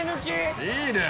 いいね！